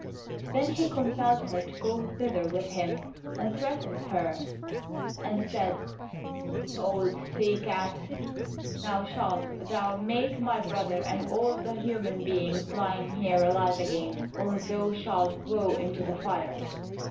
Then he compelled her to go thither with him, threatened her, and said, Old sea cat, now shalt thou make my brother and all the human beings lying here, alive again, or thou shalt go into the fire!